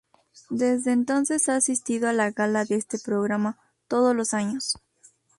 Desde entonces ha asistido a la gala de este programa todos los años.